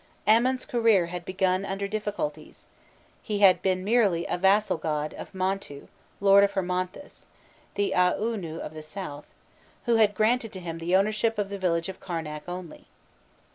Amon's career had begun under difficulties: he had been merely a vassal god of Montû, lord of Hermonthis (the Aûnû of the south), who had granted to him the ownership of the village of Karnak only.